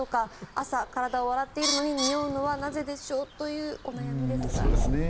朝、体を洗っているのににおうのはなぜでしょうというお悩みですが。